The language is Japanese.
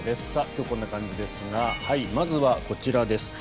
今日こんな感じですがまずはこちらです。